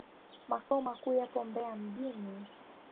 Makao makuu yapo Mbeya mjini.